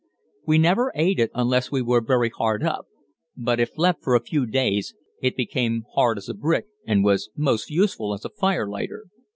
We never ate it unless we were very hard up, but, if left for a few days, it became as hard as a brick and was most useful as a firelighter.